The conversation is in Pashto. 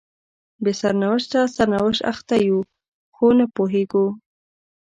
په بې سرنوشته سرنوشت اخته یو خو نه پوهیږو